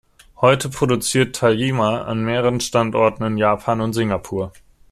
Heute produziert Tajima an mehreren Standorten in Japan und in Singapur.